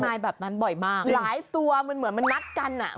แบบนั้นบ่อยมากหลายตัวมันเหมือนมันนัดกันอ่ะ